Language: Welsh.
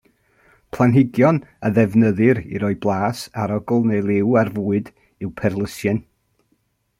Planhigion a ddefnyddir i roi blas, arogl neu liw ar fwyd yw perlysieuyn.